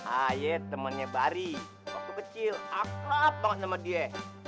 aye temannya bari waktu kecil akrab banget sama dia